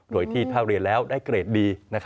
โดยที่ถ้าเรียนแล้วได้เกรดดี